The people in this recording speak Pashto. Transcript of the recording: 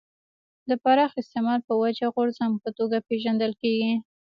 د پراخ استعمال په وجه غورځنګ په توګه پېژندل کېږي.